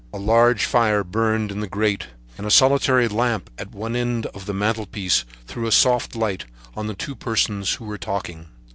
A large fire burned in the grate and a solitary lamp at one end of the mantelpiece threw a soft light on the two persons who were talking.